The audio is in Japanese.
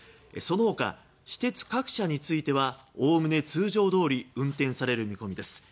そのほか、私鉄各社についてはおおむね通常どおり運転される見込みです。